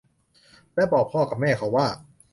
และบอกพ่อกับแม่เขาว่า